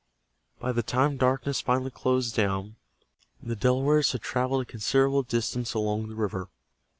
By the time darkness finally closed down the Delawares had traveled a considerable distance along the river.